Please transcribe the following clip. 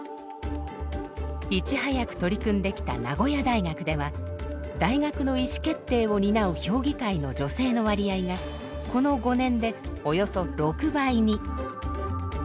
いち早く取り組んできた名古屋大学では大学の意思決定を担う評議会の女性の割合がこの５年でおよそ６倍に。